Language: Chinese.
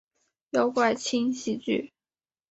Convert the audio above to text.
妖怪轻喜剧！